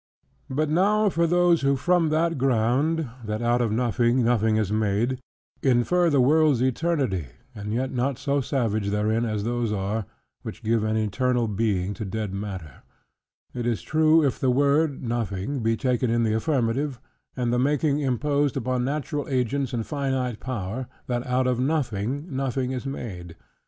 But now for those, who from that ground, "that out of nothing, nothing is made," infer the world's eternity, and yet not so savage therein, as those are, which give an eternal being to dead matter, it is true if the word (nothing) be taken in the affirmative, and the making, imposed upon natural agents and finite power; that out of nothing, nothing is made.